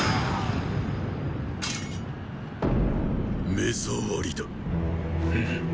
目ざわりだ。